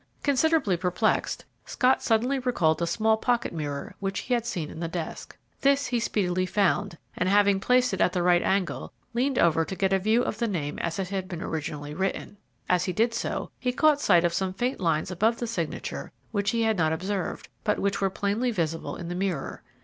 Considerably perplexed, Scott suddenly recalled a small pocket mirror which he had seen in the desk. This he speedily found, and, having placed it at the right angle, leaned over to get a view of the name as it had been originally written. As he did so, he caught sight of some faint lines above the signature which he had not observed, but which were plainly visible in the mirror.